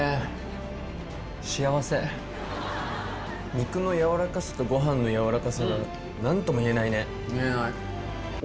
肉の軟らかさとご飯の軟らかさ何とも言えない。